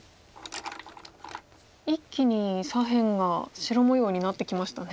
一気に左辺が白模様になってきましたね。